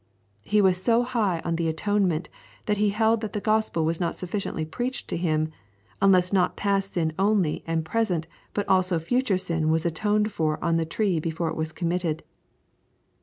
He was so high on the Atonement, that he held that the gospel was not sufficiently preached to him, unless not past sin only and present, but also all future sin was atoned for on the tree before it was committed.